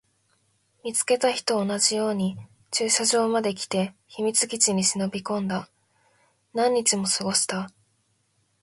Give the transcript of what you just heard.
見つけた日と同じように駐車場まで来て、秘密基地に忍び込んだ。何日も過ごした。